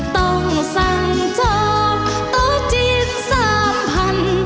ต้องสั่งจอบตัวจิตสามพัน